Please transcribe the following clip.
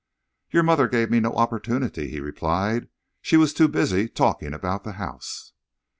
"Your mother gave me no opportunity," he replied. "She was too busy talking about the house."